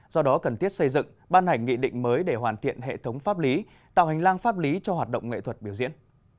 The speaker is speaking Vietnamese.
do đó cần thiết xây dựng ban hành nghị định mới để hoàn thiện hệ thống pháp lý tạo hành lang pháp lý cho hoạt động nghệ thuật biểu diễn